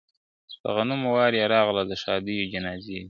د غمونو ورا یې راغله د ښادیو جنازې دي .